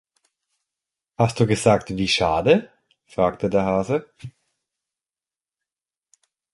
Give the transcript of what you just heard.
„Hast du gesagt ‚Wie schade?‘“, fragte der Hase.